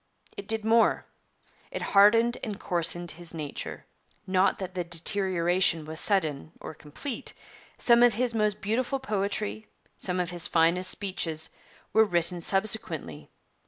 It did more; it hardened and coarsened his nature. Not that the deterioration was sudden or complete. Some of his most beautiful poetry, some of his finest speeches, were written subsequently.